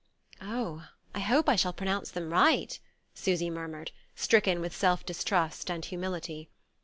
"Oh, I hope I shall pronounce them right," Susy murmured, stricken with self distrust and humility.